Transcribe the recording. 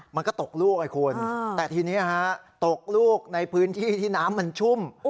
มันก็ตกลูกไอ้คุณแต่ทีนี้ตกลูกในพื้นที่ที่น้ำมันชุ่ม